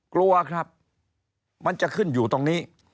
กลัวครับมันจะขึ้นอยู่ตรงนี้